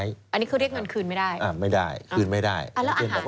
อันนี้คือเรียกเงินคืนไม่ได้ไม่ได้คืนไม่ได้